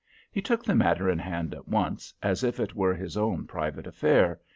He took the matter in hand at once, as if it were his own private affair.